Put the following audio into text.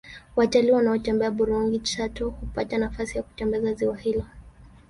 Watalii wanaotembelea burigi chato hupata nafasi ya kutembelea ziwa hilo